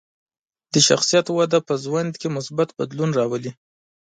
د شخصیت وده په ژوند کې مثبت بدلون راولي.